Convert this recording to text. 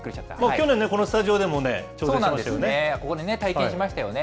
去年ね、このスタジオでもお伝えしましたよね。